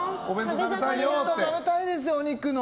お弁当食べたいですよ、お肉の。